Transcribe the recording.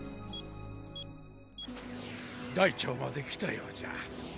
大腸まで来たようじゃ。